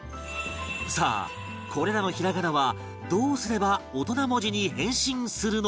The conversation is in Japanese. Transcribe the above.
さあこれらのひらがなはどうすれば大人文字に変身するのか？